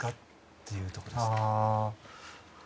っていうところです。